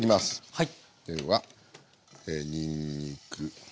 はい。